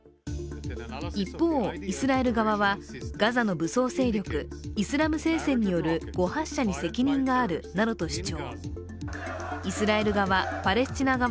一方、イスラエル側はガザの武装勢力イスラム聖戦による誤発射に責任があるなどと主張。